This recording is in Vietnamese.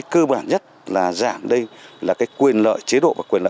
cơ bản nhất là giảm đây là cái quyền lợi chế độ và quyền lợi